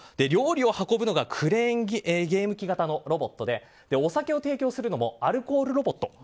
料理を運ぶのがクレーンゲーム機型のロボットでお酒を提供するのもアルコールロボット。